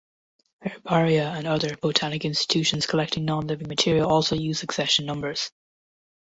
Herbaria and other botanic institutions collecting non living material also use accession numbers.